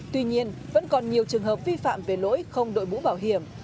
tuy nhiên vẫn còn nhiều trường hợp vi phạm về lỗi không đội mũ bảo hiểm